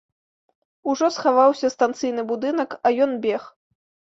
Ужо схаваўся станцыйны будынак, а ён бег.